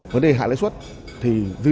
vấn đề hạ lãi suất